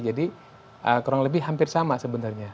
jadi kurang lebih hampir sama sebenarnya